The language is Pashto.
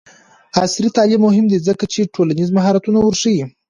عصري تعلیم مهم دی ځکه چې ټولنیز مهارتونه ورښيي.